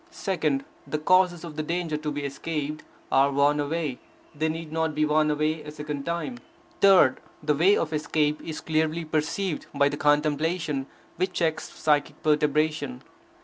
Second, the causes of the danger to be escaped are worn away; they need not be worn away a second time. Third, the way of escape is clearly perceived, by the contemplation which checks psychic perturbation.